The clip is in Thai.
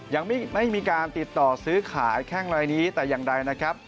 ยังไม่มีการติดต่อซื้อขายแข้งรายนี้แต่อย่างใดนะครับ